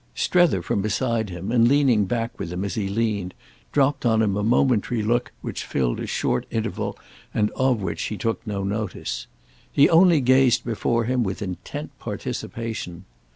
Strether, from beside him and leaning back with him as he leaned, dropped on him a momentary look which filled a short interval and of which he took no notice. He only gazed before him with intent participation.